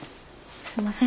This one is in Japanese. すんません